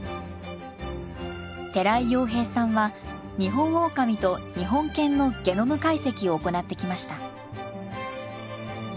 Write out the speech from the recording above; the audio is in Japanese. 寺井洋平さんはニホンオオカミと日本犬のゲノム解析を行ってきました。